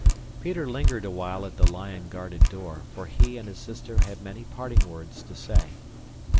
Peter lingered awhile at the lion guarded door, for he and his sister had many parting words to say.